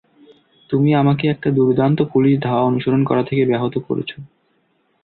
তুমি আমাকে একটা দুর্দান্ত পুলিশ ধাওয়া অনুসরণ করা থেকে ব্যাহত করছো।